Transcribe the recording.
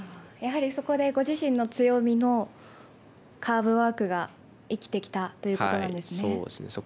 やはりそこでご自身の強みのカーブワークが生きてきたということなんですね。